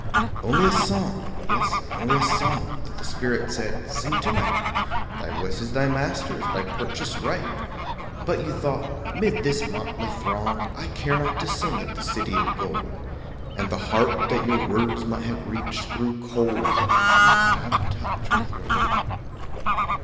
Only a song, yes, only a song That the Spirit said "Sing to night; Thy voice is thy Master's by purchased right"; But you thought, "'Mid this motley throng I care not to sing of the city of gold" And the heart that your words might have reached grew cold; You were "out of touch" with your Lord.